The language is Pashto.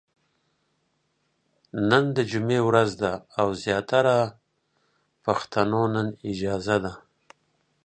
نن د جمعې ورځ ده او زياتره پښتنو نن اجازه ده ،